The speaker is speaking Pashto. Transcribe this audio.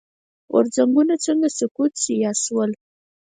غورځنګونه څنګه سقوط شي یا شول.